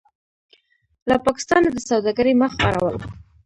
له پاکستانه د سوداګرۍ مخ اړول: